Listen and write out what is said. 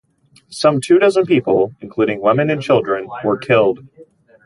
Some two dozen people, including women and children, were killed.